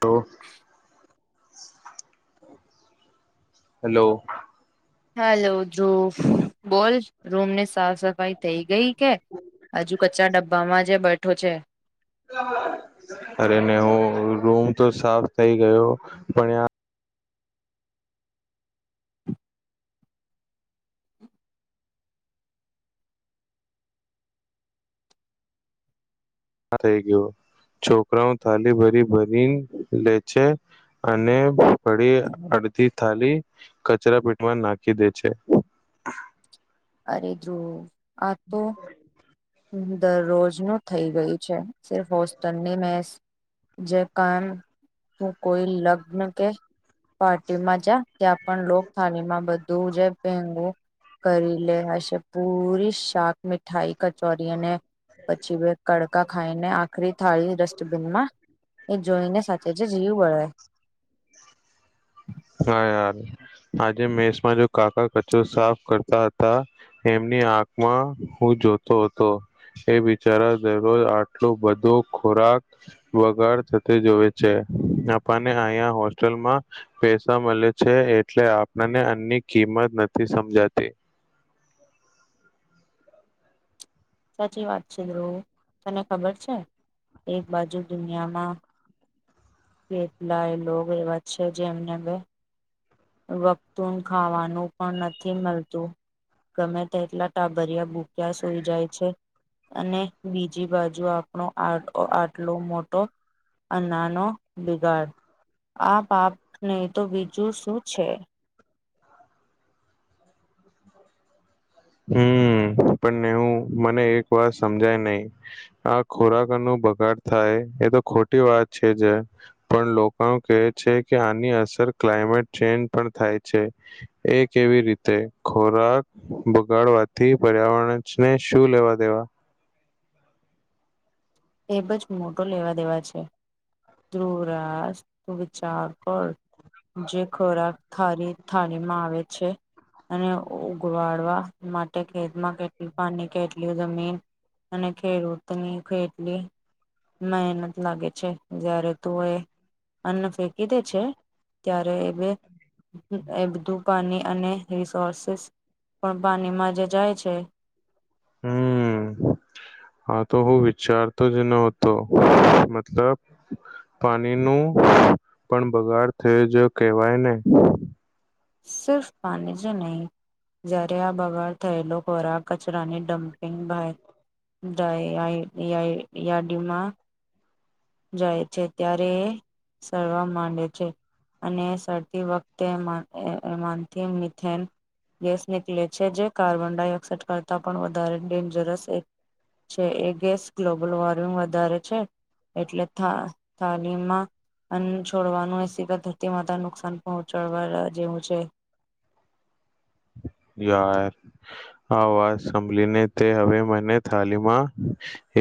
તો. Hello. Hello જો બોલ રૂમને સાફ સફાઈ થઈ ગઈ કે હજુ કચ્ચા ડબ્બામાં જે બેઠો છે? અરે નેહું રૂમ તો સાફ થઈ ગયો પણ યા હ થઈ ગયો. છોકરાઓ થાલી ભરી ભરીન લે છે અને પડી બધી થાલી કચરા પીટમાં નાખી દે છે. અરે ધ્રુવ આ તો દરરોજ નુ થઈ ગયું છે. સિર્ફ હોસ્ટન ની મેસ જે કામ તું કોઈ લગ્ન કે પાર્ટીમાં જા ત્યાં પણ લોક થાળલીમાં બધું જે પેંગું કરી લે હશે પૂરી શાક મીઠાઈ કચોરી અને પછી બે કડ કા ખાઈ ને આખરી થાળી ડસ્ટબિન માં એ જોઈને સાથે જ જીવ બળે. હા યાર. આજે મેસમાં જો કાકા કચરો સાફ કરતા હતા એમની આંખમાં હુ જોતો હતો એ બિચારા દરરોજ આટલો બધો ખોરાક વગર થ જોવે છે આપાને અહીયા હોસ્ટેલમાં પૈસા મળે છે એટલે આપણને એની કિંમત નથી સમજાતી, સાચી વાત છે ધ્રુવ તને ખબર છે, એક બાજુ દુનિયામાં કેટલા એ લો એવા છે જેમને વખતું ખાવાનું પણ નથી મળતું ગમે તે એટલા ટાભર્યા બૂક્યા સોઈ જાય છે, અને બીજી બાજુ આપણો આ આટલો મોટો અનાનો બિગાડ આ પાપને તો બીજું શું છે. હમ્મ પણનેવું મને એક વાર સમજાય નહી આ ખોરાક નું બગાડ થાય એ તો ખોટી વાત છે જ પણ લોકો ન કે છે કે આની અસર ક્લાયમેટ ચેન પણ થાય છે, એ કેવી રીતે ખોરાક બગાડવાથી પર્યાવરણ ને શું લેવા દેવા એ બજ મોટો લેવા દેવા છે, ધ્રુવરાું વિચાર [inaudible] જે ખોરાક થાલી થાલીમાં આવે છે. અને ઉગવાડવા માટે ખેતમાં કેટલી પાની, કેટલી જમીન અને ખેડૂતની ખેટલી મહેનત લાગે છે, જ્યારે તું એ અન્ન ફેંકી દે છે, ત્યારે એ બે એ બધું પાની અને રિસોર્સિસ પણ પાનીમાં જે જાય છે હમ હા તો હું વિચારતો જ નહતો મતલબ પાનીનું પણ બગાડ થયો જ કહેવાય ને. સિર્ફ પાની જ નહીં. જ્યારે આ બગાડ થયેલો ખોરાક કચરાની ડમ્પિંગ બાર દાય આય એ આઈ યાડીમાં જાય છે, ત્યારે એ સરવા માંડે છે. અને સરતી વખતે એ માન એ માનથી મિથેન ગેસ નીકલે છે જે કાર્બન ડાયોક્સાઇડ કરતાં પણ વધારે ડેન્જરસ એક છે, એ ગેસ ગ્લોબલ વોર્મિંગ વધારે છે. એટલે થા થાલીમાં અન્ન છોડવાનું એ સીધા ધરતી માતાને નુકસાન પહોંચાડવા જેવું છે. હ યાર આ વાત સાંભલીને તે હવે મને થાલીમાં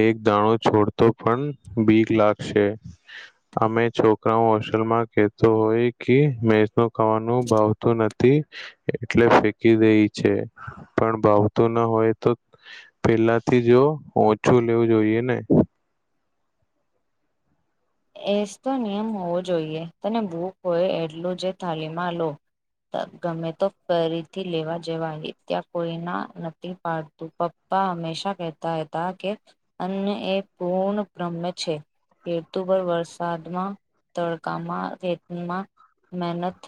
એક દાણો છોડતો પન બીક લાગશે. અમે છોકરાઓ હોસ્ટેલ માં કેતો હોય કે મેષનું ખાવાનું ભાવતું નથી એટલે ફેક કી દઈ છે. પણ ભાવતું ન હોય તો પેલાથી જો ઓછું લેવું જોઈએ ને. એજ તો નિયમ હોવો જોઈએ. તને ભૂખ હોય એટલું જ થાલીમાં લો. ત ગમે તો ફરીથી લેવા જવાય ત્યાં કોઈ ના નથી પાડતું પ પપ્પા હંમેશા કહેતા હતા કે અન્ય એ પૂર્ણ બ્રહ્મ છે કે તું બર વરસાદમાં તડકામાં, રેતીમાં મહેનત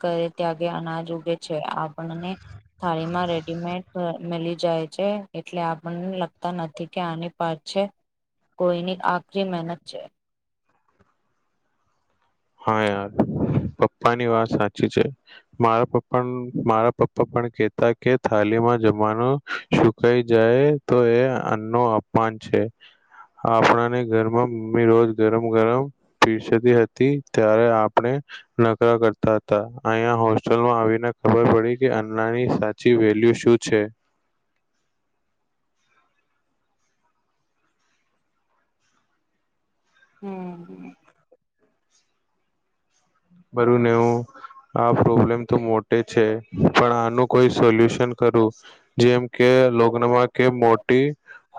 કરે ત્યાગે અનાજ ઉગે છે, આપણને થાળીમાં રેડીમેડ મેલી જાય છે, એટલે આપણને લગતા નથી કે આની પા છે, કોઈની આખરી મહેનત છે. હા યાર. પપ્પાની વાત સાચી છે મારા પપ્પા મારા પપ્પા પણ કેતા કે થાલીમાં જમવાનો સુકાઈ જાય તો એ અન્નનો અપમાન છે. આપણને ઘરમાં મમ્મી રોજ ગરમ ગરમ પીરસતી હતી. ત્યારે આપણે નકરા કરતા હતા. અહીંયા હોસ્ટેલમાં આવીને ખબર પડી કે અન્નના આની સાચી વેલ્યુ શું છે. હમ હમ બરું નેવું આ પ્રોબ્લેમ તો મોટે છે. પણ આનું કોઈ સોલ્યુશન કરું, જેમ કે કે લોકનમાં કે મોટી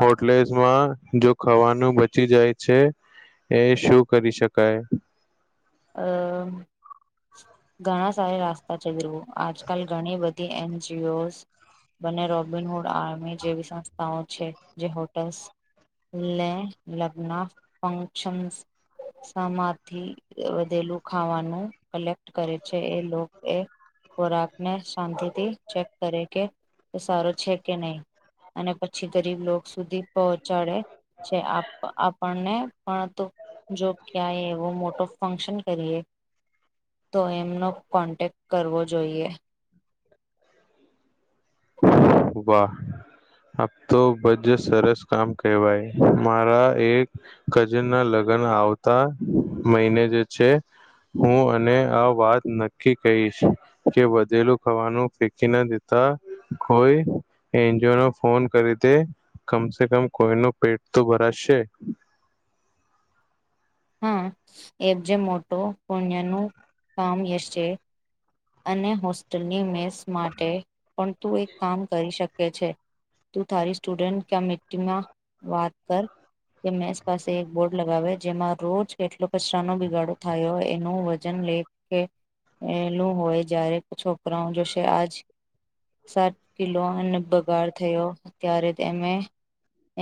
હોટલેસમાં જો ખાવાનું બચી જાય છે. એ શું કરી શકાય? અ ઘણા સારા રાસ્તા છે, જુઓ આજકાલ ઘણી બધી એનજીઓઝ બંને રોબિનહૂડ આર્મી જેવી સંસ્થાઓ છે, જે હોટલ્સ લે લગ્ન ફંક્શન સમાથી વધેલું ખાવાનું કલેક્ટ કરે છે, એ લોક એ ખોરાકને શાંતિથી ચેક કરે કે તે સારો છે કે નહીં? અને પછી ગરીબ લોક સુધી પહોંચાડે. છે આપણને પણ જો ક્યાંય એવો મોટો ફંક્શન કરીએ તો એમનો કોન્ટેક્ટ કરવો જોઈએ વાહ આતો બથે સરસ કામ કહેવાય મારા એક કજના લગ્ન લગન આવતા મહિને જે છે હું અને આ વાત નક્કી કહીશ કે વધેલું ખાવાનું ફેંકી ના દેતા કોઈ એનજીઓ નો ફોન કરી તે કમસે કમ કોઈનું પેટ તો ભરાશે હા એબ જેમ મોટો પુણ્ય ન કામ છે અને હોસ્ટેલની મેસ માટે પણ તું એક કામ કરી શકે છે તું તારી સ્ટુડન્ટ કમિટીમાં વાત કર કે મેસ પાસે એક બોર્ડ લગાવ્યો જેમાં રોજ કેટલો કચરાનો બિગાડો થયો એનું વજન લેખ કે એલું હોય જ્યારે છોકરાઓ જોશે આજ સાત કિલો અને બગાડ થયો ત્યારે એમે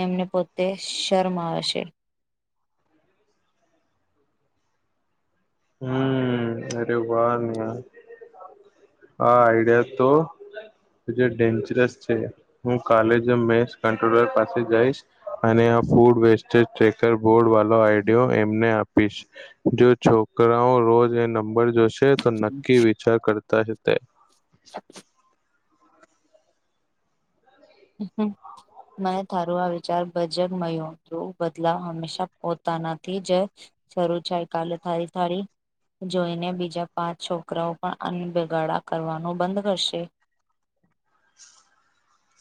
એમને પોતે શર્મા હશે હમ અરે વાહ નિયા હા આઈડિયા તો જે ડેન્જરસ છે હું કાલે જ મેશ કટ્રોલર પાસે જઈશ અને ફૂડ વેસ્ટેજ ટ્રેકર બોર્ડ [unintelligible] આઈડયો એમને આપીશ જો છોકરાઓ રોજ એ નંબર જોશે તો નક્કી વિચાર કરતા હશે હમ મને તારું આ વિચાર ભજગ મળ્યો જો બદલાવ હંમેશા પોતાનાથી જ શરૂ થાય કાલે તારી થાળી જોઈને બીજા પાંચ છોકરાઓ પણ અનદ ભગાડા કરવાનું બંધ કરશે [unintelligible]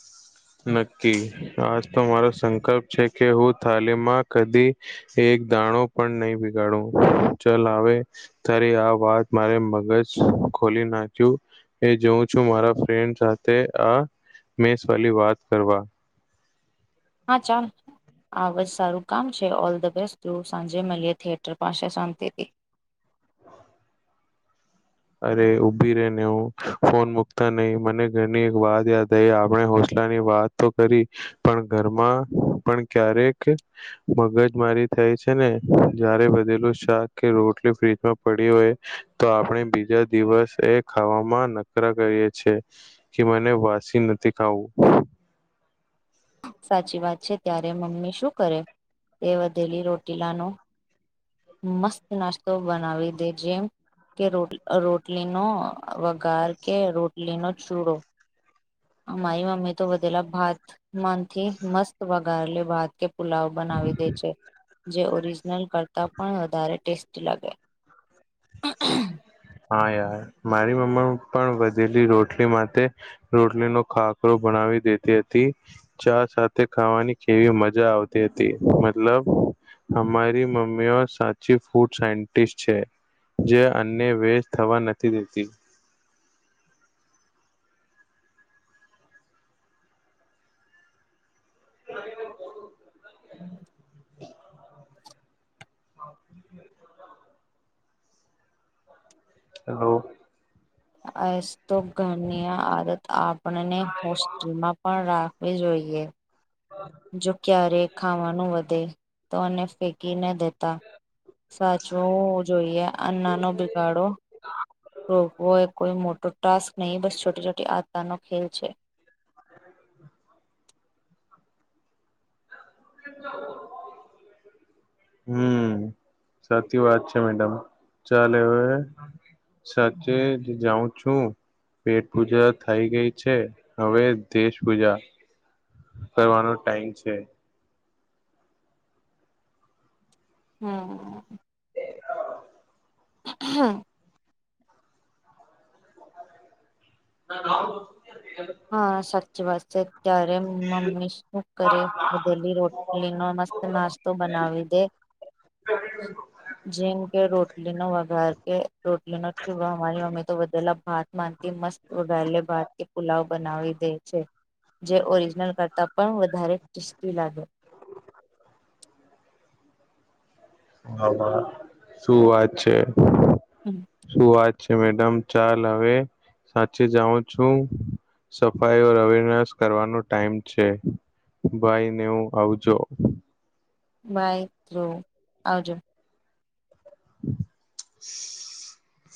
નક્કી આજ તો મારો સંકલ્પ છે કે હું થાલીમમાં કદી એક દાણો પણ નહી બગાડું ચાલ આવે તારી આ વાત મારે મગજ ખોલી નાખ્યું એ જોવું છું મારા ફ્રેન્ડ સાથે આ મે વાલી વાત કરવા હા ચાલ આ જ સારું કામ છે ઓલ ધ બેસ્ટ ટ સાંજે મળીએ થિયેટર પાસે શાંતિથી [inaudible] અરે ઊભી રે ને હું ફોન મુકતા નહી મને ઘણી એક વાત યાદ થઈ આપણે હો ની વાતો કરી પણ ઘરમાં પણ ક્યારેક મગજ મારી થાય છે ને જારે વધેલું શાક કે રોટલી ફ્રીજમાં પડી હોય તો આપણે બ બીજા દિવસ એ ખાવામાં નકરા કરીએ છે કે મને વાસી નથી ખાવું [inaudible] સાચી વાત છે ત્યારે મમ્મી શું કરે તે વધેલી રોટીલાનો મસ્ત નાસ્તો બનાવી દે જેમ કે રોટલીનો વગાર કે રોટલીનો ચૂડો અમારી મમ્મી તો બધેલા ભાત માનથી મસ્ત વગારે ભાત કે પુલાવ બનાવી દે છે જે ઓરિજિનલ કરતાં પણ વધારે ટેસ્ટી લાગે [unintelligible] હા યાર મારી મમ્મી પણ વધેલી રોટલી માટે રોટલી નો ખાકરો બના દેતી હતી ચા સાથે ખાવાની કેવી મજા આવતી હતી મતલબ અમારી મમ્મીઓ સાચી ફૂડ સાયન્ટિસ્ટ છે જે ને વેસ્ટ થવા નથી દેતી [inaudible] [inaudible] હ એસ તો ઘરની આ આદત આપણને હોસ્ટેલમાં પણ રા ખવી જોઈએ જો ક્યારે ખાવાનું વધે તો અને ફેંકી ન દેતા સાચવું જોઈએ અન્ના નો બિગાડો રોકવો એ કોઈ મોટો ટાસ્ક નહીં બસ છોટી છોટી આતારનો ખેલ છે. હમ સાચી વાત છે મેડમ ચાલ હવે સાચે જ જાઉં છું પેટ પૂજા થઈ ગઈ છે હવે દેશ પૂજા કરવાનો ટાઈમ છે. હમ હમ ના નાવા ગો છુ હા સાચી વાત છે. ત્યારે મમ્મી શું કરે બધેલી રોટલી નો મસ્ત નાસ્તો બનાવી દે [inaudible] જેમ કે રોટલી નો વઘાર કે રોટલી નથી વો અમે તો વદેલા ભાત માનતી મસ્ત વડલે ભાત કે પુલાવ બનાવી દે છે જે ઓરિજનલ કરતા પણ વધારે ટેસ્ટી લાગે. હ શું વાત છે શું વાત છે મેડમ ચાલ હવે સાચી જાઉ છું સફાઈ ઓ અવેરનેસ કરવાનો ટાઈમ છે. બાઈને હું આવજો બાય થ્રો આવજો [inaudible]